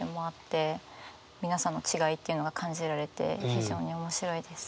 皆さんの違いっていうのが感じられて非常に面白いです。